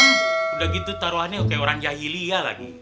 udah gitu taruhannya kayak orang jahiliah lagi